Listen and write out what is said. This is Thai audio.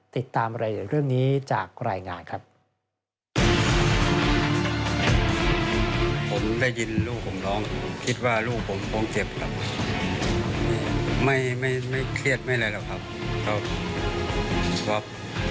ติดตามรายละเอียดเรื่องนี้จากรายงานครับ